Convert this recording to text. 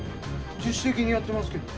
自主的にやってますけど。